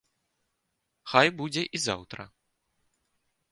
Хай будзе і заўтра.